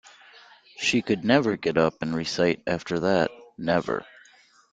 She could never get up and recite after that — never.